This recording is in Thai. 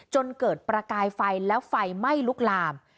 จนเกิดประกายไฟแล้วไฟไหม้ลุกลาม